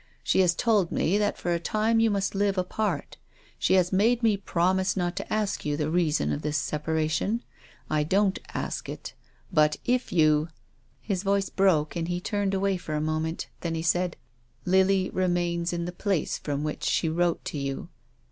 "She has told me that for a time you must live apart. She has made me promise not to ask you the reason of this separation. I don't ask it, but if you — 250 TONGUES OF CONSCIENCE. His voice broke and he turned away for a mo ment. Then he said :" Lily remains in the place from which she wrote to you."